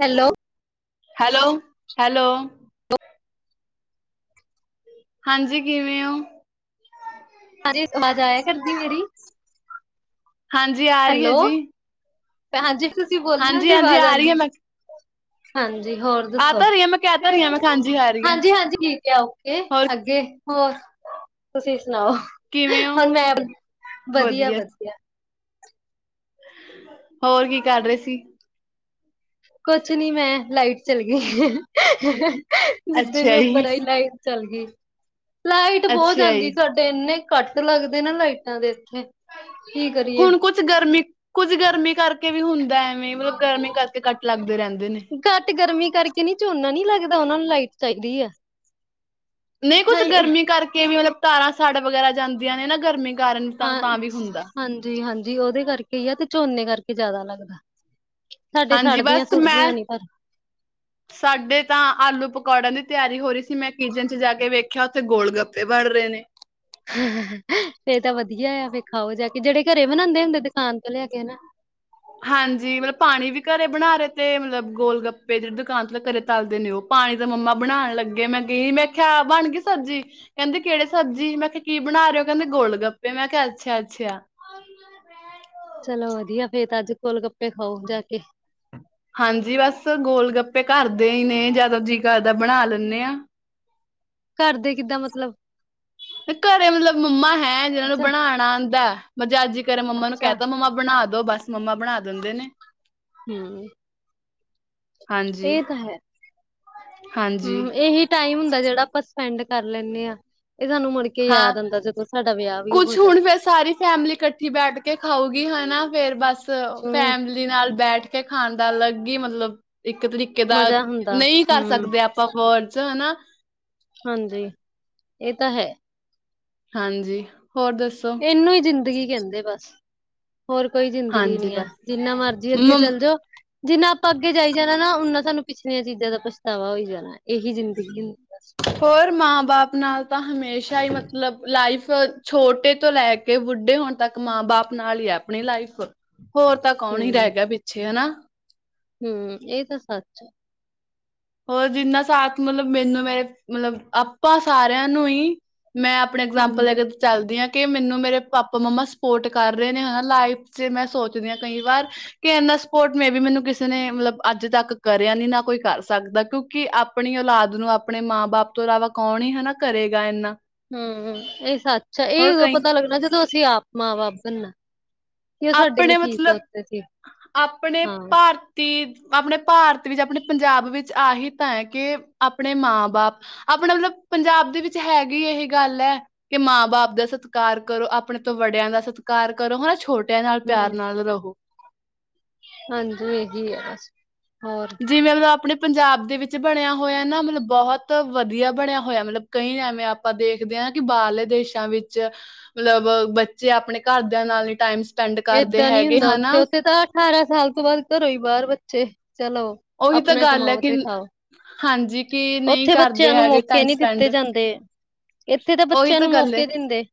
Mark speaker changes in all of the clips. Speaker 1: Hello
Speaker 2: hello hello
Speaker 1: [inaudible]
Speaker 2: ਹਾਂਜੀ, ਕਿਵੇਂ ਓਂ?
Speaker 1: ਅਰੇ, ਅਵਾਜ਼ ਆਏਆ ਕਰਦੀ ਮੇਰੀ।
Speaker 2: ਹਾਂਜੀ ਆ ਰਹੀ ਹੈ
Speaker 1: ਹੈਲੋ,
Speaker 2: ਜੀ,
Speaker 1: ਭੈਂਜੀ ਤੁਸੀਂ ਬੋਲਨਾ
Speaker 2: ਹਾਂਜੀ
Speaker 1: ਜੇ
Speaker 2: ਹਾਂਜੀ
Speaker 1: ਵਾਜ
Speaker 2: ਆ ਰਹੀ ਹੈ
Speaker 1: ਆਂਦੀ।
Speaker 2: ਮੈਂ
Speaker 1: ਹਾਂਜੀ, ਹੋਰ
Speaker 2: ਆ
Speaker 1: ਦੱਸੋ?
Speaker 2: ਤਾਂ ਰਹੀ ਆ ਮੈਂ ਕਹਿ ਤਾਂ ਰਹੀ ਆ ਮੈਂ ਹਾਂਜੀ ਆ ਰਹੀ ਹੈ,
Speaker 1: ਹਾਂਜੀ-ਹਾਂਜੀ ਠੀਕ ਯਾ ਓਕੇ,
Speaker 2: ਹੋਰ
Speaker 1: ਅੱਗੇ ਹੋਰ, ਤੁਸੀਂ ਸਨਾਓ
Speaker 2: ਕਿਵੇਂ ਹੋ?
Speaker 1: ਹੋਣ ਮੈਂ
Speaker 2: ਵਧੀਆ,
Speaker 1: ਵਦੀਆ-ਵਦੀਆ।
Speaker 2: ਹੋਰ, ਕੀ ਕਾਰ ਰੇ ਸੀ?
Speaker 1: ਕੋਛ ਨੀ ਮੈਂ, ਲਾਈਟ ਚੱਲੀ ਗੀ। ਜਿੱਦਾਂ
Speaker 2: ਅੱਛਾ
Speaker 1: ਮੈ ਉਪਰ
Speaker 2: ਜੀ,
Speaker 1: ਆਈ ਲਾਈਟ ਚੱਲ ਗੀ, ਲਾਈਟ ਬੋਹ
Speaker 2: ਅੱਛਾ ਜੀ।
Speaker 1: ਜਾਂਦੀ ਸਾਡੇ। ਤੇ ਏਨੇ ਕੱਟ ਲੱਗਦੇ ਨਾ ਲਾਈਟਾਂ ਦੇ ਐਥੇ, ਕੀ ਕਰੀਏ।
Speaker 2: ਕੁਝ ਗਰਮੀ, ਕੁੱਝ ਗਰਮੀ ਕਾਰਕੇ ਵੀ ਹੁੰਦੈ ਐਵੇਂ, ਮਤਲਬ ਗਰਮੀ ਕਰਕੇ ਕੱਟ ਲਾੱਗਦੇ ਰੈਂਦੇ ਨੇ।
Speaker 1: ਕੱਟ ਗਰਮੀ ਕਰਕੇ ਨੀ, ਝੋਨਾ ਨੀ ਲੱਗਦਾ ਓਨਾ ਨੂੰ ਲਾਈਟ ਚਾਈਦੀ ਆ।
Speaker 2: ਨਈ, ਕੁਛ
Speaker 1: ਹਾਏ
Speaker 2: ਗਰਮੀ ਕਰਕੇ ਵੀ ਮਲਬ ਤਾਰਾਂ ਸਾੜ ਵਗੈਰਾ ਜਾਂਦੀਆਂ ਨੇ ਨਾ ਗਰਮੀ ਕਾਰਨ ਤਾਂ, ਤਾਂ ਵੀ ਹੁੰਦੈ।
Speaker 1: ਜੀ ਹਾਂਜੀ ਓਦੇ ਕਰਕੇ ਈ ਆ, ਤੇ ਝੋਨੇ ਕਾਰਕੇ ਜਾਦਾ ਲੱਗਦਾ। ਸਾਡੇ
Speaker 2: ਹਾਂਜੀ ਬਸ ਮੈਂ
Speaker 1: ਸਾੜਦੀਆਂ-ਸੁੜਦੀਆਂ ਨੀ ਪਾਰ।
Speaker 2: [inaudible] ਸਾਡੇ ਤਾਂ ਆਲੂ ਪਕੌੜਿਆਂ ਦੀ ਤਿਆਰੀ ਹੋ ਰੀ ਸੀ, ਮੈਂ ਕਿਚਨ ਚ ਜਾ ਕੇ ਵੇਖੇਆ ਓਥੇ ਤਾਂ ਗੋਲ਼-ਗੱਪੇ ਬਾਣ ਰੇ ਨੇ।
Speaker 1: ਫੇਰ ਤਾਂ ਵਦੀਆ ਯਾ ਫੇਰ ਖਾਓ ਜਾ ਕੇ, ਜੇੜੇ ਘਰੇ ਬਨਾਂਦੇ ਹੁੰਦੇ ਦੁਕਾਨ ਤੋਂ ਲੇਆ ਕੇ ਹਨਾ?
Speaker 2: ਹਾਂਜੀ, ਮਲਬ ਪਾਣੀ ਵੀ ਘਰੇ ਬਣਾ ਰੇ ਤੇ, ਮਲਬ ਗੋਲ-ਗੱਪੇ ਜੇੜੀ ਦੁਕਾਨ ਤੋਂ ਮਲਬ ਘਰੇ ਤਾਲਦੇ ਨੇ ਓ। ਪਾਣੀ ਤਾਂ ਮੰਮਾ ਬਣਾਣ ਲੱਗੇ, ਮੈਂ ਗਈ ਮੈਂ ਕੇਹਾ ਬਣ ਗੀ ਸਾਬਜੀ। ਕੈਂਦੇ ਕੇੜੇ ਸਬਜੀ, ਮੈਂ ਕੇਆ ਕੀ ਬਣਾ ਰੇ ਓ, ਕੈਂਦੇ ਗੋਲ਼-ਗੱਪੇ, ਮੈਂ ਕੇਆ ਅੱਛਾ-ਅੱਛਾ। [unintelligible]
Speaker 1: ਚਲੋ ਵਦੀਆ ਫੇਰ ਤਾਂ ਆੱਜ, ਗੋਲ-ਗੱਪੇ ਖਾਓ ਜਾ ਕੇ।
Speaker 2: ਹਾਂਜੀ ਬਾਸ, ਗੋਲ-ਗੱਪੇ ਘਾਰਦੇ ਈ ਨੇ ਜਾਦ ਜੀ ਕਾਰਦਾ ਬਣਾ ਲਨੇ ਆਂ।
Speaker 1: ਘਾਰਦੇ ਕਿੱਦਾਂ ਮਤਲਬ?
Speaker 2: ਘਰੇ ਮਲਬ ਮੰਮਾ ਹੈ, ਜਿਨਾਂ ਨੂੰ
Speaker 1: ਅੱਛਾ
Speaker 2: ਬਣਾਣਾ ਆਂਦਾ ਐ ਮ ਅੱਜ ਰੇ ਮੰਮਾ ਨੂੰ ਕੈ
Speaker 1: ਅੱਛਾ
Speaker 2: ਤ ਮੰਮਾ ਬਣਾ ਦੋ ਬਾਸ, ਮੰਮਾ ਬਣਾ ਦੰਦੇ ਨੇ।
Speaker 1: ਹੂੰ।
Speaker 2: ਹਾਂਜੀ।
Speaker 1: ਏ ਤਾਂ ਹੈ,
Speaker 2: ਹਾਂਜੀ
Speaker 1: ਹੂੰ ਏਹੀ ਟਾਈਮ ਹੁੰਦਾ ਜੇੜਾ ਆਪਾਂ ਸਪੈਂਡ ਕਾਰ ਲੈਂਨੇ ਆਂ, ਏ ਸਾਨੂੰ ਮੁੜਕੇ
Speaker 2: ਹਾਂ, ਕੁਛ ਹੁਣ ਫੇਰ ਸਾਰੀ ਫੈਮਲੀ ਕੱ ਲੀ ਬੈਠ ਕੇ ਖਾਊਗੀ ਹਨਾ ਫੇਰ ਬਾਸ, ਅ
Speaker 1: ਹਮ
Speaker 2: ਫੈਮ ਨਾਲ ਬੈਠ ਕੇ ਖਾਣ ਦਾ ਅਲੱਗ ਈ' ਮਤਲਬ, ਇੱਕ ਤਰੀਕੇ ਦਾ
Speaker 1: ਮਜ਼ਾ ਹੁੰਦਾ।
Speaker 2: ਨਈ ਕਾਰ
Speaker 1: ਹਮ
Speaker 2: ਸਕਦੇ ਆਪਾਂ ਸਫਰ ਚ ਨਾ
Speaker 1: ਹਾਂਜੀ, ਇਹ ਤਾਂ ਹੈ।
Speaker 2: ਹਾਂਜੀ ਹੋਰ ਦੱਸੋ?
Speaker 1: ਇਹਨੂੰ ਹੀ ਜ਼ਿੰਦਗੀ ਕਹਿੰਦੇ ਆ ਬਸ। ਹੋਰ ਕੋਈ ਜ਼ਿੰਦਗੀ
Speaker 2: ਹਾਂਜੀ
Speaker 1: ਨਹੀਂ ਹੈ,
Speaker 2: ਬਸ
Speaker 1: ਜਿੰਨਾ ਮਰਜ਼ੀ ਅੱਗੇ
Speaker 2: ਮ
Speaker 1: ਚੱਲ ਜਾਓ। ਜਿੰਨਾ ਆਪਾਂ ਅੱਗੇ ਜਾਈ ਜਾਣਾ ਨਾ, ਉਨਾ ਸਾਨੂੰ ਪਿਛਲੀਆਂ ਚੀਜ਼ਾਂ ਦਾ ਪਛਤਾਵਾ ਹੋਈ ਜਾਣਾ। ਇਹੀ ਜ਼ਿੰਦਗੀ ਐ।
Speaker 2: ਹੋਰ ਮਾਂ ਬਾਪ ਨਾਲ ਤਾਂ ਹਮੇਸ਼ਾ ਹੀ, ਮਤਲਬ ਲਾਈਫ ਛੋਟੇ ਤੋਂ ਲੈ ਕੇ ਕੇ ਬੁੱਢੇ ਹੋਣ ਤੱਕ ਮਾਂ ਬਾਪ ਨਾਲ ਹੀ ਹੈ, ਆਪਣੀ ਲਾਈਫ। ਹੋਰ ਤੱਕ ਕੌਣ ਹੀ
Speaker 1: ਹੂੰ
Speaker 2: ਰਹਿ ਗਿਆ ਪਿੱਛੇ, ਹਨਾ।
Speaker 1: ਹੂੰ, ਇਹ ਤਾਂ ਸੱਚ।
Speaker 2: ਹੋਰ ਜਿੰਨਾ ਸਾਥ ਮਤਲਬ ਮੈਨੂੰ ਮੇਰੇ ਮਤਲਬ ਆਪਾਂ ਸਾਰਿਆਂ ਨੂੰ ਹੀ, ਮੈਂ ਹੂਣੇ ਇਗਜ਼ਾਮਪਲ ਲੇ
Speaker 1: ਹਾਂਜੀ
Speaker 2: ਲੋ ਜੀ। ਚੱਲਦੀ ਹਾਂ ਕਿ ਮੈਨੂੰ ਮੇਰੇ ਪਾਪਾ- ਮੰਮਾ ਸਪੋਰਟ ਕਰ ਰਹੇ ਨੇ, ਹੈ ਨਾ ਲਾਈਫ ਚ। ਮੈਂ ਸੋਚਦੀ ਹਾਂ ਕਈ ਵਾਰ। ਕਿ ਇੰਨਾ ਸਪੋਰਟ ਮੈਂ ਵੀ ਮੈਨੂੰ ਕਿਸੇ ਨੇ ਮਤਲਬ ਅੱਜ ਤੱਕ ਕਰਿਆ ਨੀ ਨਾ ਕੋਈ ਕਰ ਸਕਦਾ ਕਿਉਂਕਿ ਆਪਣੀ ਔਲਾਦ ਨੂੰ, ਆਪਣੇ ਮਾਂ ਬਾਪ ਤੋਂ ਇਲਾਵਾ ਕੌਣ ਹੀ ਹੈ ਨਾ ਕਰੇਗਾ ਇੰਨਾ।
Speaker 1: ਹੂੰ, ਇਹ ਸੱਚ ਹੈ। ਇਹ
Speaker 2: ਹੋਰ
Speaker 1: ਉਦੋਂ
Speaker 2: ਕਈ
Speaker 1: ਪਤਾ ਲੱਗਣਾ ਜਦੋਂ, ਅਸੀਂ ਆਪ ਮਾਂ ਬਾਪ ਬਣਨਾ। ਕਿ ਉਹ ਸਾਡੇ ਲਈ
Speaker 2: ਆਪਣੇ
Speaker 1: ਕੀ
Speaker 2: ਮਤਲਬ,
Speaker 1: ਸੋਚਦੇ ਸੀ
Speaker 2: ਆਪਣੇ
Speaker 1: ਹਾਂ
Speaker 2: ਭਾਰਤ ਤੇ ਆਪਣੇ ਭਾਰਤ ਵਿੱਚ, ਆਪਣੇ ਪੰਜਾਬ ਵਿੱਚ, ਆਹੀ ਤਾਂ ਹੈ ਕਿ ਆਪਣੇ ਮਾਂ ਬਾਪ। ਆਪਣਾ ਮਤਲਬ ਪੰਜਾਬ ਦੇ ਵਿੱਚ, ਹੈਗੀ ਇਹ ਗੱਲ ਹੈ। ਕਿ ਮਾਂ ਬਾਪ ਦਾ ਸਤਿਕਾਰ ਕਰੋ। ਆਪਣੇ ਤੋਂ ਵਡਿਆਂ ਦਾ ਸਤਿਕਾਰ ਕਰੋ। ਹਨਾ, ਛੋਟਾ ਟਿਆਂ ਨਾਲ ਪਿਆਰ
Speaker 1: ਹੂੰ
Speaker 2: ਨਾਲ ਰਹੋ।
Speaker 1: ਹਾਂਜੀ ਇਹੀ ਹੈ ਬਸ ਹੋਰ।
Speaker 2: ਜਿਵੇਂ ਮਤਲਬ ਆਪਣੇ ਪੰਜਾਬ ਦੇ ਵਿੱਚ, ਬਣਿਆ ਹੋਇਆ ਨਾ ਮਤਲਬ ਬਹੁਤ ਵਧੀਆ ਬਣਿਆ ਹੋਇਆ, ਮਤਲਬ। ਕਈ ਐਵੇਂ ਆਪਾਂ ਦੇਖਦੇ ਹਾਂ ਨਾ, ਕਿ ਬਾਹਰਲੇ ਦੇਸਾਂ ਵਿੱਚ। ਮਤਲਬ ਬੱਚੇ ਆਪਣੇ ਘਰਦਿਆਂ ਨਾਲ ਨੀ ਟਾਈਮ ਸਪੈਂਡ ਕਰਦੇ
Speaker 1: ਏਦਾਂ ਨੀ
Speaker 2: ਹੈਗੇ
Speaker 1: ਹੁੰਦਾ ਉੱਥੇ।
Speaker 2: ਹਨਾ
Speaker 1: ਉੱਥੇ ਤਾਂ ਅਠਾਰਾਂ ਸਾਲ ਤੋਂ ਬਾਅਦ ਘਰੋਂ ਹੀ ਬਾਹਰ ਬੱਚੇ ਚਲੋ।
Speaker 2: ਉਹੀ ਤਾਂ
Speaker 1: ਆਪਣਾ
Speaker 2: ਗੱਲ ਹੈ
Speaker 1: ਕਮਾਓ ਤੇ
Speaker 2: ਕਿ
Speaker 1: ਖਾਓ।
Speaker 2: ਹਾਂਜੀ ਕਿ ਨਹੀਂ
Speaker 1: ਉੱਥੇ
Speaker 2: ਕਰਦੇ
Speaker 1: ਬੱਚਿਆਂ ਨੂੰ
Speaker 2: ਹੈਗੇ
Speaker 1: ਮੌਕੇ
Speaker 2: ਟਾਈਮ
Speaker 1: ਨਹੀਂ
Speaker 2: ਸਪੈਂਡ
Speaker 1: ਦਿੱਤੇ ਜਾਂਦੇ। ਇੱਥੇ ਤਾਂ
Speaker 2: ਉਹੀ
Speaker 1: ਬੱਚਿਆਂ ਨੂੰ
Speaker 2: ਗੱਲ ਏ
Speaker 1: ਮੌਕੇ ਦਿੰਦੇ।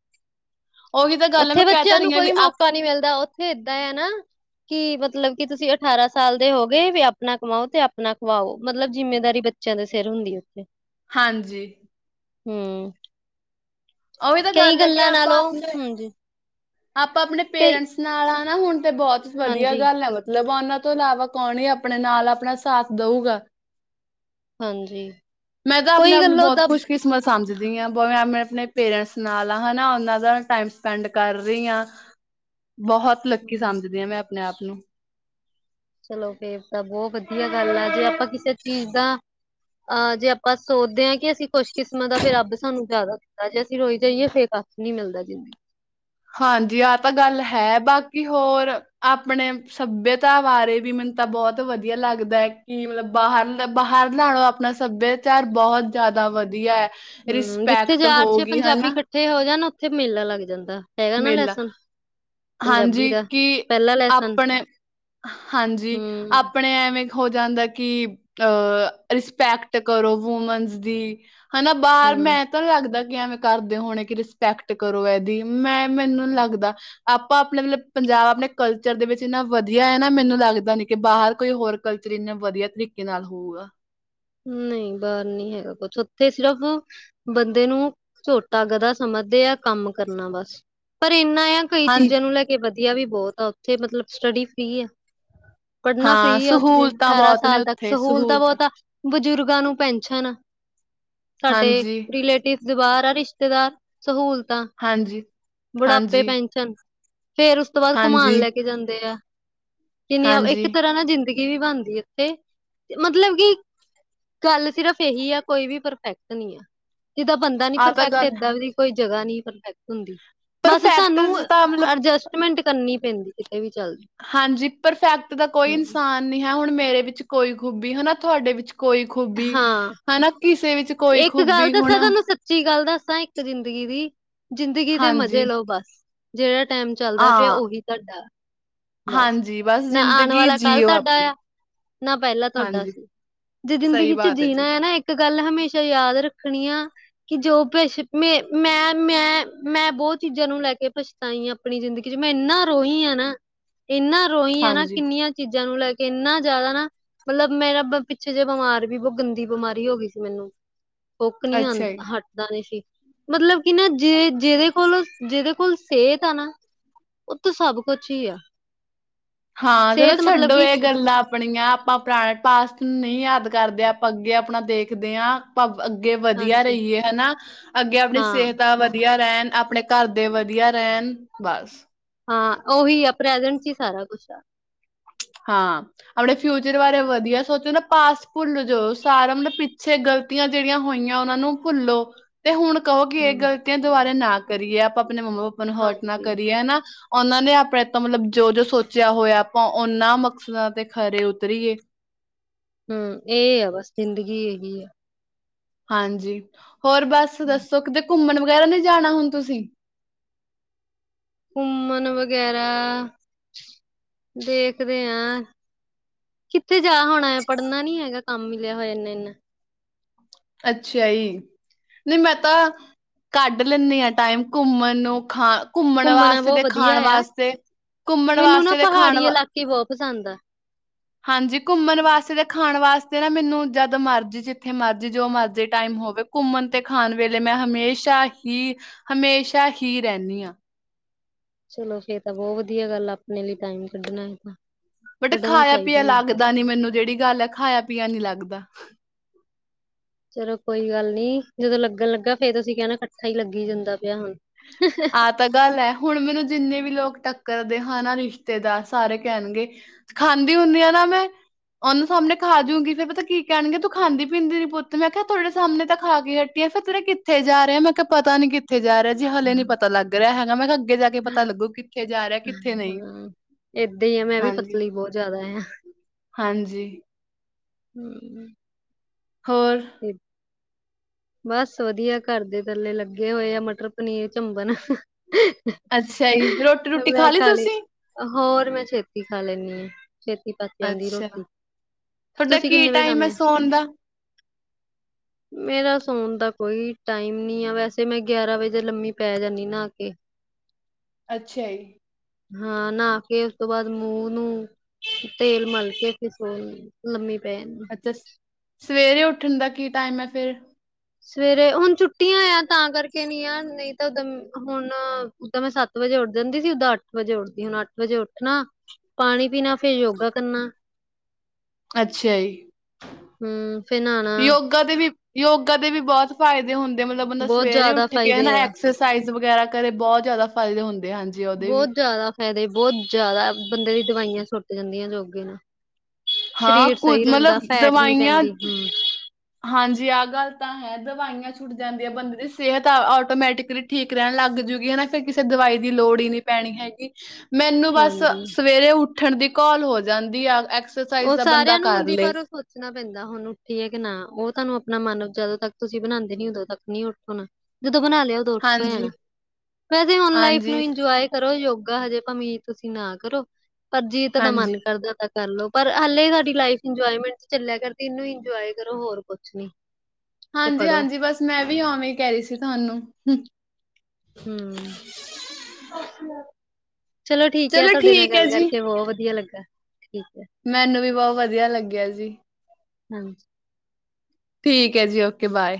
Speaker 2: ਉਹੀ ਤਾਂ ਗੱਲ ਹੈ
Speaker 1: ਉੱਥੇ
Speaker 2: ਮੈਂ ਕਹਿ ਤਾਂ
Speaker 1: ਬੱਚਿਆਂ ਨੂੰ
Speaker 2: ਰਹੀ ਹਾਂ ਵੀ
Speaker 1: ਕੋਈ
Speaker 2: ਆਪ
Speaker 1: ਮੌਕਾ ਨੀ ਮਿਲਦਾ। ਾਂ ਉੱਥੇ ਏਦਾਂ ਹੈ ਨਾ। ਕਿ ਮਤਲਬ ਕਿ ਤੁਸੀਂ ਅਠਾਰਾਂ ਸਾਲ ਦੇ ਹੋ ਗਏ। ਵੀ ਆਪਣਾ ਕਮਾਓ ਤੇ ਆਪਣਾ ਕਮਓ, ਮਤਲਬ ਜਿੰਮੇਦਾਰੀ ਬ ਬੱਚਿਆਂ ਦੇ ਸਿਰ ਹੁੰਦੀ ਉੱਥੇ।
Speaker 2: ਹਾਂਜੀ।
Speaker 1: ਹੂੰ।
Speaker 2: ਉਹੀ ਤਾਂ
Speaker 1: ਕਈ
Speaker 2: ਗੱਲ ਹੈ ਕਿ
Speaker 1: ਗੱਲਾਂ
Speaker 2: ਆਪਾਂ
Speaker 1: ਨਾਲੋਂ,
Speaker 2: ਆਪਣੇ
Speaker 1: ਹਾ ਜੀ।
Speaker 2: ਆਪਾਂ ਆਪਣੇ ਪੇਰੈਂਟਸ ਨਾਲ ਆ ਨਾ, ਹੁਣ ਤੇ ਬਹੁਤ ਵਧੀਆ
Speaker 1: ਹਾਂਜੀ
Speaker 2: ਗੱਲ ਹੈ। ਮਤਲਬ ਉਹਨਾਂ ਤੋਂ ਇਲਾਵਾ ਕੌਣ ਹੀ ਆਪਣੇ ਨਾਲ ਆਪਣਾ ਸਾਥ ਦਊਗਾ।
Speaker 1: ਹਾਂਜੀ
Speaker 2: ਮੈਂ ਤਾਂ ਆਪਣੇ
Speaker 1: ਕੋਈ
Speaker 2: ਆਪ ਨੂੰ,
Speaker 1: ਗੱਲੋਂ
Speaker 2: ਬਹੁਤ
Speaker 1: ਦਾ
Speaker 2: ਖੁਸ਼ ਕਿਸਮਤ ਸਮਝਦੀ ਹਾਂ। ਬਵੇ ਆਪਣੇ ਪੇਰੈਂਟਸ ਨਾਲ ਹਾਂ ਹਨਾ, ਉਹਨਾਂ ਦਾ ਟਾਈਮ ਸਪੈਂਡ ਕਰ ਰਹੀ ਹਾਂ, ਬਹੁਤ ਲੱਕੀ
Speaker 1: ਹੂੰ,
Speaker 2: ਸਮਝਦੀ ਹਾਂ ਮੈਂ ਆਪਣੇ ਆਪ ਨੂੰ।
Speaker 1: ਚਲੋ ਫੇਰ ਤਾਂ ਬਹੁਤ ਵਧੀਆ ਗੱਲ ਆ। ਜੇ ਆਪਾਂ ਕਿਸੇ ਚੀਜ਼ ਦਾ ਅਹ ਜੇ ਆਪਾਂ ਸੋਚਦੇ ਹਾਂ ਕਿ ਅਸੀਂ ਕੁਛ ਕਿਸਮਤ ਆ, ਫੇਰ ਰੱਬ ਸਾਨੂੰ ਜ਼ਿਆਦਾ ਦੇਂਦਾ, ਜੇ ਅਸੀਂ ਰੋਈ ਜਾਈਏ ਫੇ ਤਾਂ ਨਹੀਂ ਮਿਲਦਾ ਜਿੰਦੇ।
Speaker 2: ਹਾਂਜੀ ਆਹ ਤਾਂ ਗੱਲ ਹੈ। ਬਾਕੀ ਹੋਰ ਆਪਣੇ ਸੱਭਿਅਤਾ ਬਾਰੇ ਵੀ ਮੈਨੂੰ ਤਾਂ ਬਹੁਤ ਵਧੀਆ ਲੱਗਦਾ ਹੈ। ਕਿ ਮਤਲਬ ਬਾਹਰ, ਬਾਹਰ ਨਾ ਲੋ ਆਪਣਾ ਸੱਭਿਅ ਚਾਰ ਬਹੁਤ ਜਿਆਦਾ ਵਧੀਆ ਹੈ।
Speaker 1: ਹੂੰ, ਜਿੱਥੇ
Speaker 2: ਰਿਸਪੈਕਟ
Speaker 1: ਚਾਰ,
Speaker 2: ਹੋ
Speaker 1: ਛੇ
Speaker 2: ਗਈ
Speaker 1: ਪੰਜਾਬੀ
Speaker 2: ਹਨਾ
Speaker 1: ਇਕੱਠੇ ਹੋ ਜਾਣ ਨਾ ਉੱਥੇ ਮੇਲਾ ਲੱਗ ਜਾਂਦਾ। ਹੈਗਾ ਨਾ
Speaker 2: ਮਿਲ
Speaker 1: ਲੈਸਨ। ਪੰਜਾਬੀ
Speaker 2: ਹਾਂਜੀ
Speaker 1: ਦਾ
Speaker 2: ਕਿ,
Speaker 1: ਪਹਿਲਾ ਲੈਸਨ
Speaker 2: ਆਪਣੇ ਹਾਂਜੀ
Speaker 1: ਹੂੰ,
Speaker 2: ਆਪਣੇ ਐਵੇਂ ਹੋ ਜਾਂਦਾ ਕਿ ਅਹ ਰਿਸਪੈਕਟ ਕਰੋ ਵੂਮਨਸ ਦੀ। ਹਨਾ ਬਾਹਰ
Speaker 1: ਹੂੰ,
Speaker 2: ਮੈਂ ਤਾਂ ਨ ਲੱਗਦਾ ਕਿ, ਐਵੇਂ ਕਰਦੇ ਹੋਣੇ ਕਿ ਰਿਸਪੈਕਟ ਕਰੋ ਇਹਦੀ। ਮੈਂ ਮੈਨੂੰ ਲੱਗਦਾ ਆਪਾਂ ਆਪਣੇ ਮਤਲਬ ਪੰਜਾਬ ਆਪਣੇ, ਕਲਚਰ ਦੇ ਵਿੱਚ ਇੰਨਾ ਵਧੀਆ ਹੈ ਨਾ ਮੈਨੂੰ ਲੱਗਦਾ ਨੀ, ਕਿ ਬਾਹਰ ਕੋਈ ਹੋਰ ਕਲਚਰ ਇੰਨਾ ਵਧੀਆ ਤਰੀਕੇ ਨਾਲ ਹੋਊਗਾ।
Speaker 1: ਨਹੀਂ ਬਾਰ ਨੀ ਹੈਗਾ ਕੋ ਉੱਥੇ ਸਿਰਫ਼, ਬੰਦੇ ਨੂੰ ਝੋਟਾ ਗਧਾ ਸਮਝਦੇ ਆ ਕੰਮ ਕਰਨਾ ਬਸ, ਪਰ ਇੰਨਾ ਆ ਕਈ
Speaker 2: ਹਾਂ
Speaker 1: ਚੀਜ਼ਾਂ ਨੂੰ ਲੈ ਕੇ ਵਧੀਆ ਵੀ ਬਹੁਤ ਆ ਉੱਥੇ ਮਤਲਬ ਸਟੱਡੀ ਫਰੀ ਆ। ਪੜ੍ਹਨਾ
Speaker 2: ਹਾਂ
Speaker 1: ਫੀ ਆ ਉੱਥੇ
Speaker 2: ਸਹੂਲਤਾਂ
Speaker 1: ਅਠਾਰਾਂ
Speaker 2: ਬਹੁਤ ਨੇ
Speaker 1: ਸਾਲ ਤੱਕ
Speaker 2: ਉੱਥੇ
Speaker 1: ਸਹੂਲਤਾਂ ਬਹੁਤ ਆ। ਬਜ਼ੁਰਗਾਂ ਨੂੰ ਪੈਨਸ਼ਨ, ਸਾਡੇ
Speaker 2: ਹਾਂਜੀ
Speaker 1: ਰਿਲੇਟਿਵ ਦੇ ਬਾਹਰ ਆ ਰਿਸ਼ ਰਿਸ਼ਤੇਦਾਰ ਸਹੂਲਤਾਂ,
Speaker 2: ਹਾਂਜੀ
Speaker 1: ਬੁਢਾਪੇ
Speaker 2: ਹਾਂਜੀ
Speaker 1: ਪੈਨਸ਼ਨ, ਫੇਰ ਉਸ ਉਸ ਤੋਂ ਬਾਅਦ ਘੁਮਾਨ
Speaker 2: ਹਾਂਜੀ
Speaker 1: ਲੈ ਕੇ ਜਾਂਦੇ ਆ। ਕਿੰਨੀ
Speaker 2: ਹਾਂਜੀ
Speaker 1: ਇੱਕ ਤਰ੍ਹਾਂ ਨਾ ਜ਼ਿੰਦਗੀ ਵੀ ਬਣਦੀ ਇੱਥੇ, ਮਤਲਬ ਕਿ ਗੱਲ ਸਿਰਫ਼ ਇਹੀ ਆ ਕੋਈ ਵੀ ਪਰਫੈਕਟ ਨਹੀਂ, ਆ ਜਿੱਦਾਂ ਬੰਦਾ ਨੀ
Speaker 2: ਆਹ ਤਾਂ
Speaker 1: ਪਰਫੈਕਟ
Speaker 2: ਗੱਲ
Speaker 1: ਏਦਾਂ ਵੀ ਕੋਈ ਜਗ੍ਹਾ ਨਹੀਂ ਪਰਫੈਕਟ ਹੁੰਦੀ, ਬਸ
Speaker 2: ਪਰਫੈਕਟ
Speaker 1: ਸਾਨੂੰ
Speaker 2: 'ਚ ਤਾਂ ਮਤਲਬ
Speaker 1: ਅਡਜਸਟ, ਮਿਹਨਤ ਕਰਨੀ ਪੈਂਦੀ ਕਿਤੇ ਵੀ ਚੱਲਦੀ,
Speaker 2: ਹਾਂਜੀ ਪਰਫੈਕਟ ਦਾ ਕੋਈ ਇਨਸਾਨ ਨਹੀਂ ਹੈ ਹੁਣ ਮੇਰੇ ਵਿੱਚ ਕੋਈ ਖੂਬੀ ਹਨ ਨਾ ਤੁਹਾਡੇ ਵਿੱਚ ਕੋਈ ਖੂਬੀ
Speaker 1: ਹਾਂ
Speaker 2: ਹਨਾ ਕਿਸੇ ਵਿੱਚ ਕੋਈ
Speaker 1: ਇੱਕ ਗੱਲ
Speaker 2: ਖੂਬੀ ਹੁਣ
Speaker 1: ਦੱਸਾ ਤੁਹਾਨੂੰ ਸੱਚੀ ਗੱਲ ਦੱਸਾਂ ਇੱਕ ਜ਼ਿੰਦਗੀ ਦੀ ਜ਼ਿੰਦਗੀ ਦੇ ਮਜ਼ੇ
Speaker 2: ਹਾਂਜੀ
Speaker 1: ਲਓ ਬਸ, ਜਿਹੜਾ ਟਾਈਮ ਚੱਲਦਾ ਪਿਆ
Speaker 2: ਹਾਂ
Speaker 1: ਉਹੀ ਤੁਹਾਡਾ, ਬਸ,
Speaker 2: ਹਾਂਜੀ
Speaker 1: ਨਾ ਆਉਣ
Speaker 2: ਜ਼ਿੰਦਗੀ
Speaker 1: ਵਾਲਾ ਕੱਲ੍ਹ
Speaker 2: ਜੀਓ
Speaker 1: ਤੁਹਾਡਾ
Speaker 2: ਆਪਣੀ
Speaker 1: ਆ, ਨਾ ਪਹਿਲਾਂ ਤੁਹਾਡਾ
Speaker 2: ਹਾਂਜੀ
Speaker 1: ਸੀ, ਜੇ
Speaker 2: ਸਹੀ
Speaker 1: ਜ਼ਿੰਦਗੀ ਚ
Speaker 2: ਬਾਤ
Speaker 1: ਜੀਣਾ
Speaker 2: ਜੀ
Speaker 1: ਹੈ ਨਾ ਇੱਕ ਇੱਕ ਗੱਲ ਹਮੇਸ਼ਾ ਯਾਦ ਰੱਖਣੀ ਆ, ਕਿ ਜੋ ਪਿਛ ਮੈਂ ਮੈਂ ਮੈਂ ਮੈਂ ਬਹੁਤ ਚੀਜ਼ਾਂ ਨੂੰ ਲੈ ਕੇ ਪਛ ਤਾਂ ਹੀ ਆਪਣੀ ਜ਼ਿੰਦਗੀ ਚ ਮੈਂ ਇੰਨਾ ਰੋਹੀ ਹਾਂ ਨਾ, ਇੰਨਾ ਰੋਈ ਆ ਨਾ
Speaker 2: ਹਾਂਜੀ
Speaker 1: ਕਿੰਨੀਆਂ ਚੀਜ਼ਾਂ ਨੂੰ ਲੈ ਕੇ ਇੰਨਾ ਜ਼ਿਆਦਾ ਨਾ, ਮਤਲਬ ਮੇਰਾ ਪਿੱਛੇ ਜਿ ਬਿਮਾਰ ਵੀ ਬਹੁਤ ਗੰਦੀ ਬਿਮਾਰੀ ਹੋ ਗਈ ਸੀ ਮੈਨੂੰ। ਕੁੁੱਕ ਨਹੀਂ
Speaker 2: ਅੱਛਾ ਜੀ
Speaker 1: ਆਉਂਦਾ ਹ ਇਦਾਂ ਦੇ ਸੀ ਮਤਲਬ ਕਿ ਨਾ ਜੇ ਜਿਹਦੇ ਕੋਲ ਜਿਹਦੇ ਕੋਲ ਸਿਹਤ ਆ ਨਾ, ਉਥ ਸਭ ਕੁਛ ਹੀ ਆ,
Speaker 2: ਹਾਂ, ਚਲੋ
Speaker 1: ਸਿਹਤ ਮਤਲਬ
Speaker 2: ਛੱਡੋ
Speaker 1: ਕਿ
Speaker 2: ਇਹ ਗੱਲਾਂ ਆਪਣੀਆਂ, ਆਪਾਂ ਪੁਰਾਣੇ ਪਾਸਟ ਨੂੰ ਨਹੀਂ ਯਾਦ ਕਰਦੇ ਆਪਾਂ ਅੱਗੇ ਆਪਣਾ ਦੇਖਦੇ ਹਾਂ, ਆਪ ਅੱਗੇ ਵਧੀਆ
Speaker 1: ਹਾਂਜੀ
Speaker 2: ਰਹੀਏ ਹਨਾ ਅੱਗੇ ਆਪਣੀ
Speaker 1: ਹਾਂ
Speaker 2: ਸਿਹਤ ਦਾ ਵਧੀਆ ਰਹਿਣ ਆਪਣੇ ਘਰਦੇ ਵਧੀਆ ਰਹਿਣ ਬਸ,
Speaker 1: ਹਾਂ, ਉਹੀ ਆ ਪ੍ਰੈਜੈਂਟ ਹੀ ਸਾਰਾ ਕੁਛ ਆ।
Speaker 2: ਹਾਂ। ਆਪਣੇ ਫਿਊਚਰ ਬਾਰੇ ਵਧੀਆ ਸੋਚੋ ਨਾ ਪਾਸਟ ਭੁੱਲ ਜਾਓ ਸਾਰਾ ਮਤਲਬ ਪਿੱਛੇ ਗਲਤ ਗੱਲਤੀਆਂ ਜਿਹੜੀਆਂ ਹੋਈਆਂ ਉਹਨਾਂ ਨੂੰ ਭੁੱਲੋ। ਤੇ ਹੁਣ ਕਹੋ ਇਹ
Speaker 1: ਹਮ
Speaker 2: ਗਲਤੀਆਂ ਦੁਬਾਰੇ ਨਾ ਕਰੀਏ ਆਪਾਂ ਆਪਣੇ ਮੰਮਾ ਪਾਪਾ ਨੂੰ ਹਰਟ ਨਾ
Speaker 1: ਹਾਂਜੀ
Speaker 2: ਕਰੀਏ ਹਨਾ। ਉਹਨਾਂ ਨੇ ਆਪਣੇ ਤੋਂ ਮਤਲਬ ਜੋ ਜੋ ਸੋਚਿਆ ਹੋਇਆ ਆਪਾਂ ਉਹਨਾਂ ਮਕਸਦਾਂ ਤੇ ਖਰੇ ਉਤਰੀਏ।
Speaker 1: ਹੂੰ, ਇਹ ਆ ਬਸ ਜ਼ਿੰਦਗੀ ਇਹੀ ਆ।
Speaker 2: ਹਾਂਜੀ, ਹੋਰ ਬਸ ਦੱਸੋ ਕਿਤੇ ਘੁੰਮਣ ਵਗੈਰਾ ਨਹੀਂ ਜਾਣਾ ਹੁਣ ਤੁਸੀਂ।
Speaker 1: ਘੁੰਮਣ ਵਗੈਰਾ ਦੇਖਦੇ ਆ। ਕਿੱਥੇ ਜਾ ਹੋਣਾ ਪੜ੍ਹਨਾ ਨੀ ਹੈਗਾ ਕੰਮ ਮਿਲਿਆ ਹੋਇਆ ਇਨਾ ਇਨਾ
Speaker 2: ਅੱਛਾ ਜੀ। ਨਹੀਂ ਮੈਂ ਤਾਂ ਕੱਢ ਲੈਂਦੀ ਹਾਂ ਟਾਈਮ ਘੁੰਮਣ ਨੂੰ ਖਾ ਘੁੰਮਣ
Speaker 1: ਘੁੰਮਣਾ
Speaker 2: ਵਾਸਤੇ
Speaker 1: ਬਹੁਤ
Speaker 2: ਤੇ
Speaker 1: ਵਧੀਆ
Speaker 2: ਖਾਣ
Speaker 1: ਆ।
Speaker 2: ਵਾਸਤੇ ਘੁੰਮਣ
Speaker 1: ਮੈਨੂੰ ਨਾ
Speaker 2: ਵਾਸਤੇ ਤੇ ਖਾਣ
Speaker 1: ਪਹਾੜੀ
Speaker 2: ਵਾ
Speaker 1: ਇਲਾਕੇ ਬਹੁਤ ਪਸੰਦ ਆ।
Speaker 2: ਹਾਂਜੀ, ਘੁੰਮਣ ਵਾਸਤੇ ਤੇ ਖਾਣ ਵਾਸਤੇ ਨਾ ਮੈਨੂੰ ਜਦ ਮਰਜ਼ੀ ਜਿੱਥੇ ਮਰਜ਼ ਜੀ ਜੋ ਮਰਜ਼ੀ ਟਾਈਮ ਹੋਵੇ ਘੁੰਮਣ ਤੇ ਖਾਣ ਵੇਲੇ ਮੈਂ ਹਮੇਸ਼ਾ ਹੀ ਹਮੇਸ਼ਾ ਹੀ ਰਹਿੰਦੀ ਹਾਂ,
Speaker 1: ਚਲੋ ਫੇਰ ਤਾਂ ਬਹੁਤ ਵਧੀਆ ਗੱਲ ਆਪਣੇ ਲਈ ਟਾਈਮ ਕੱਢਣਾ ਹੈ ਤਾਂ,
Speaker 2: ਬੇਟੇ
Speaker 1: ਕੱਢਣਾ
Speaker 2: ਖਾਇਆ ਪੀਆ
Speaker 1: ਚਾਹੀਦਾ ਈ।
Speaker 2: ਲੱਗਦਾ ਨੀ ਮੈਨੂੰ ਜਿਹੜੀ ਗੱਲ ਆ ਖਾਇਆ ਪੀਆ ਨੀ ਲੱਗਦਾ।
Speaker 1: ਚਲੋ ਕੋਈ ਗੱਲ ਨੀ ਜਦੋਂ ਲੱਗਣ ਲੱਗਾ ਫੇਰ ਤੁਸੀ ਕਹਿਣਾ ਇਕੱਠਾ ਹੀ ਲੱਗੀ ਜਾਂਦਾ ਪਿਆ ਹੁਣ। ਹ।
Speaker 2: ਆਹ ਤਾਂ ਗੱਲ ਹੈ ਹੁਣ ਮੈਨੂੰ ਜਿੰਨੇ ਵੀ ਲੋਕ ਟੱਕਰਦੇ ਹਨ ਨਾ ਰਿਸ਼ਤੇਦਾਰ ਸਾਰੇ ਕਹਿਣਗੇ। ਖਾਂਦੀ ਹੁੰਦੀ ਹ ਨਾ ਮੈਂ ਓਹਨਾ ਸਾਹਮਣੇ ਖਾ ਜੂਗੀ ਫਿਰ ਪਤਾ ਕੀ ਕਹਿਣਗੇ ਤੂੰ ਖਾਂਦੀ ਪੀਂਦੀ ਨੀ ਪੁੱਤ ਮੈਂ ਕਿਹਾ ਤੁਹਾਡੇ ਸਾਹਮਣੇ ਤਾਂ ਖਾ ਕੇ। ਫਿਰ ਤੇਰੇ ਕਿੱਥੇ ਜਾ ਰਿਹੇ ਮੈਂ ਕਿਹਾ ਪਤਾ ਨੀ ਕਿੱਥੇ ਜਾ ਰਿਹਾ। ਜੀ ਹਾਲੇ ਨੀ
Speaker 1: ਹਾਂ
Speaker 2: ਪਤਾ ਲੱਗ ਰਿਹਾ ਹੈਗਾ ਮੈਂ ਕਿਹਾ ਅੱਗੇ ਜਾ ਕੇ ਪਤਾ ਲੱਗੂ ਕਿੱਥੇ ਜਾ ਰਿਹਾ ਕਿੱਥੇ ਨਹੀਂ।
Speaker 1: ਏਦਾਂ ਹੀ ਆ ਮੈਂ ਵੀ
Speaker 2: ਹਾਂਜੀ
Speaker 1: ਪਤਲੀ ਬਹੋਤ ਜ਼ਿਆਦਾ ਆ।
Speaker 2: ਹਾਂਜੀ।
Speaker 1: ਹੂੰ।
Speaker 2: ਹੋਰ।
Speaker 1: [inaudible] ਬਸ ਵਧੀਆ ਘਰ ਦੇ ਥੱਲੇ ਲੱਗੇ ਹੋਏ ਆ ਮਟਰ ਪਨੀਰ ਚੰਬਣ।
Speaker 2: ਅੱਛਾ ਜੀ ਰੋਟੀ ਰੂਟੀ ਖਾ ਲਈ ਤੁਸੀਂ।
Speaker 1: ਹੋਰ ਮੈਂ ਛੇਤੀ ਖਾ ਲੈਣੀ ਆ। ਛੇਤੀ ਪੱਕ ਜਾਂਦੀ
Speaker 2: ਅੱਛਾ
Speaker 1: ਰੋਟੀ
Speaker 2: ਤੁਹਾਡਾ
Speaker 1: ਤੁਸੀਂ
Speaker 2: ਕੀ
Speaker 1: ਕਿੰਨੇ ਵਜੇ ਖਾਂਦੇ।
Speaker 2: [unintelligible]
Speaker 1: ਮੇਰਾ ਸੌਣ ਦਾ ਕੋਈ ਟਾਈਮ ਨੀ ਆ ਵੈਸੇ ਮੈਂ ਗਿਆਰਾਂ ਵਜੇ ਲੰਮੀ ਪੈ ਜਾਂਦੀ ਨਹਾ ਕੇ।
Speaker 2: ਅੱਛਾ ਜੀ।
Speaker 1: ਹਾਂ ਨਹਾ ਕੇ ਉਸ ਤੋਂ ਬਾਅਦ ਮੂੰਹ ਨੂੰ ਤੇਲ ਮਲਕੇ ਫਿਰ ਸੋ ਜਾਂਦੀ ਲੰਮੀ ਪੈ ਜਾਂਦੀ।
Speaker 2: ਸਵੇਰੇ ਉੱਠਣ ਦਾ ਕੀ ਟਾਈਮ ਐ ਫਿਰ।
Speaker 1: ਸਵੇਰੇ ਹੁਣ ਛੁੱਟੀਆਂ ਆ ਤਾਂ ਕਰਕੇ ਨੀ ਆ ਨਹੀਂ ਤਾਂ ਹੁਣ ਉਦਾ ਤਾਂ ਮੈਂ ਸੱਤ ਵਜੇ ਉੱਠ ਜਾਂਦੀ ਸੀ ਸਿੱਧਾ ਅੱਠ ਵਜੇ ਉੱਠਦੀ ਹੁਣ ਅੱਠ ਵਜੇ ਉੱਠਣਾ। ਪਾਣੀ ਪੀਣਾ ਫੇਰ ਯੋਗਾ ਕਰਨਾ।
Speaker 2: ਅੱਛਾ ਜੀ,
Speaker 1: ਹੁੰ ਫੇਰ ਨਹਾਣਾ।
Speaker 2: ਕਦੇ ਵੀ ਯੋਗਾ ਦੇ ਵੀ ਬਹੁਤ ਫਾਇਦੇ ਹੁੰਦੇ ਮਤਲਬ ਬੰਦਾ
Speaker 1: ਬਹੁਤ
Speaker 2: ਸਵੇਰੇ
Speaker 1: ਜ਼ਿਆਦਾ
Speaker 2: ਉੱਠ ਕੇ ਹਨਾ
Speaker 1: ਫਾਇਦੇ
Speaker 2: ਏਕ੍ਸਰਸਾਈਜ
Speaker 1: ਆ
Speaker 2: ਐਕਸਰਸਾਈਜ਼ ਵਗੈਰਾ ਕਰੇ ਬਹੁਤ ਜ਼ਿਆਦਾ ਫਾਇਦੇ ਹੁੰਦੇ ਹਨ।
Speaker 1: ਬਹੁਤ ਜ਼ਿਆਦਾ ਫਾਇਦੇ ਬਹੁਤ ਜ਼ਿਆਦਾ ਬੰਦੇ ਦੀ ਦਵਾਈਆਂ ਛੁਟ ਜਾਂਦੀਆਂ ਨੇ।
Speaker 2: ਹਾਂ
Speaker 1: ਸ਼ਰੀਰ
Speaker 2: ਕੁਝ
Speaker 1: ਸਹੀ
Speaker 2: ਮਤਲਬ
Speaker 1: ਰਹਿੰਦਾ ਫੈਟ ਨੀ
Speaker 2: ਦਵਾਈਆਂ
Speaker 1: ਪੈਂਦੀ ਹੂੰ।
Speaker 2: ਹਾਂਜੀ ਆਹ ਗੱਲ ਤਾਂ ਹੈ ਦਵਾਈਆਂ ਚ ਛੁੱਟ ਜਾਂਦੀ ਐ ਬੰਦੇ ਦੀ ਸਿਹਤ ਆਟੋਮੈਟਿਕਲੀ ਠੀਕ ਰੈਣ ਲੱਗ ਜੂਗੀ ਹਨਾ ਫਿਰ ਕਿਸੇ ਦਵਾਈ ਦੀ ਲੋੜ ਈ ਨੀ। ਪੈਣੀ ਹੈਗੀ ਮੈਨੂੰ ਬਸ
Speaker 1: ਹਾਂਜੀ
Speaker 2: ਸਵੇਰੇ ਉੱਠਣ ਦੀ ਘੋਲ ਹੋ ਜਾਂਦੀ ਆ ਐਕਸ
Speaker 1: ਓ ਸਾਰਿਆਂ ਨੂੰ ਹੁੰਦੀ ਪਰ ਓ ਸੋ ਚਣਾ ਪੈਂਦਾ ਹੁਣ ਉੱਠੀਏ ਕੇ ਨਾ ਓ ਤੁਹਾਨੂੰ ਆਪਣਾ ਮਨ ਜਦੋਂ ਤੱਕ ਤੁਸੀਂ ਬਣਾਉਂਦੇ ਨੀ ਉਦੋਂ ਤੱਕ ਨੀ ਉੱਠਣਾ। ਜਦੋਂ ਬਣਾ ਲਿਆ ਓਦੋਂ ਉੱਠ ਹੋ ਜਾਣਾ
Speaker 2: ਹਾਂਜੀ,
Speaker 1: ਵੈਸੇ ਹੁਣ ਲਾਈਫ ਨੂੰ
Speaker 2: ਹਾਂਜੀ,
Speaker 1: ਇੰਜੋਏ ਕਰੋ ਯੋਗਾ ਹਜੇ ਭਾਵੇਂ ਤੁਸੀਂ ਨਾ ਕਰੋ ਪਰ ਜੀ ਤਾਡਾ ਮਨ
Speaker 2: ਹਾਂਜੀ,
Speaker 1: ਕਰਦਾ ਤਾਂ ਕਰਲੋ। ਪਰ ਹਲੇ ਸਾਡੀ ਲਾਈਫ ਇੰਜੋਏਮੈਂਟ ਚ ਚੱਲਿਆ ਕਰਦੀ ਇਨੂੰ ਇੰਜੋਏ ਕਰੋ ਹੋਰ ਕੁੱਛ ਨੀ। ਤੇ
Speaker 2: ਹਾਂਜੀ
Speaker 1: ਪੜ੍ਹੋ
Speaker 2: ਹਾਂਜੀ ਬਸ ਮੈਂ ਵੀ ਓਵੇਂ ਈ ਕੈ ਰੀ ਸੀ ਤੁਹਾਨੂੰ ਹੂੰ।
Speaker 1: ਹੂੰ।
Speaker 2: [unintelligible]
Speaker 1: ਚਲੋ ਠੀਕ ਐ ਤੁਹਾਡੇ ਨਾਲ
Speaker 2: ਠੀਕ ਹੈ
Speaker 1: ਗੱਲ
Speaker 2: ਜੀ,
Speaker 1: ਕਰਕੇ ਬੋ ਵਧੀਆ ਲੱਗਾ ਠੀਕ ਐ।
Speaker 2: ਮੈਨੂੰ ਵੀ ਬੋ ਵਧੀਆ ਲੱਗਿਆ ਜੀ।
Speaker 1: ਹਾਂਜੀ।
Speaker 2: ਠੀਕ ਆ ਜੀ ਓਕੇ ਬਾਏ।